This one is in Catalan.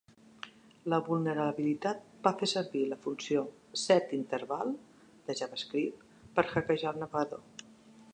La vulnerabilitat va fer servir la funció setInterval de javascript per hackejar el navegador.